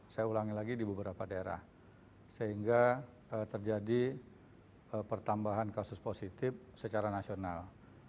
saya ulangi lagi di beberapa daerah sehingga terjadi pertambahan kasus positif secara nasional